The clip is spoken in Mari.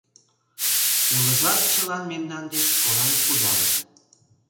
Улыжат чылан мемнан деч кораҥ кудалыт.